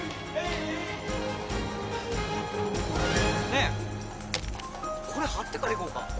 ねえこれはってから行こうか？